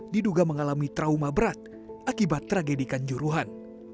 diduga mengalami trauma berat akibat tragedi kanjuruhan